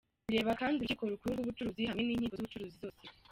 Bireba kandi Urukiko Rukuru rw’Ubucuruzi hamwe n’inkiko z’ubucuruzi zose.